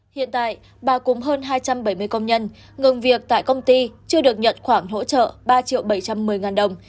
hiện tại bà cùng hơn hai trăm bảy mươi công nhân ngừng việc tại công ty chưa được nhận khoảng hỗ trợ ba bảy trăm một mươi đồng